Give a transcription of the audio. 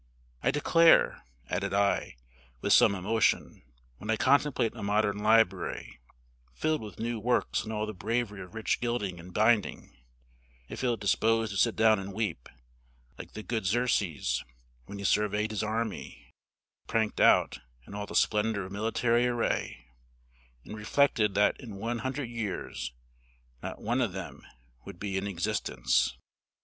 "I declare," added I, with some emotion, "when I contemplate a modern library, filled with new works in all the bravery of rich gilding and binding, I feel disposed to sit down and weep, like the good Xerxes, when he surveyed his army, pranked out in all the splendor of military array, and reflected that in one hundred years not one of them would be in existence."